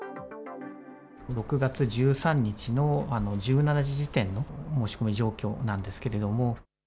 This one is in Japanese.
６月１３日の１７時時点の申し込み状況なんですけれども。